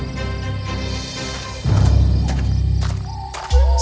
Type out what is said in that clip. tidak ada yang bisa diberi makanan